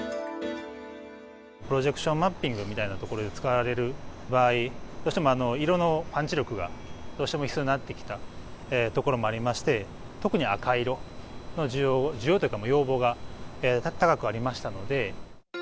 プロジェクションマッピングみたいなところで使われる場合、どうしても色のパンチ力が、どうしても必要になってきたところもありまして、特に赤色の需要、需要というか、要望が高くありましたので。